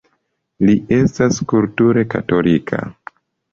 Li estas kulture katolika.